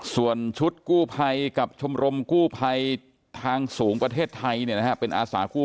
ส่วนชุดกู้ภัยกับชมรมกู้ภัยทางสูงประเทศไทยเป็นอาสาคู่